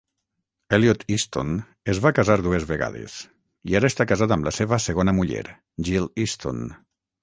Elliot Easton es va casar dues vegades, i ara està casat amb la seva segona muller, Jill Easton.